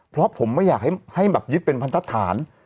เพราะผมไม่อยากให้แบบยึดเป็นพันธฐาน